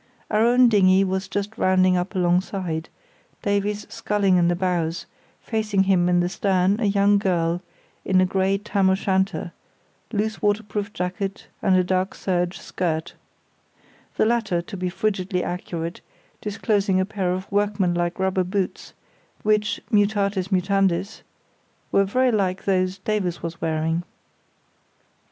Our own dinghy was just rounding up alongside, Davies sculling in the bows, facing him in the stern a young girl in a grey tam o' shanter, loose waterproof jacket and dark serge skirt, the latter, to be frigidly accurate, disclosing a pair of workman like rubber boots which, mutatis mutandis, were very like those Davies was wearing.